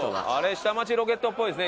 『下町ロケット』っぽいですね